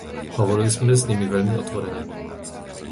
Hovorili sme s nimi veľmi otvorene.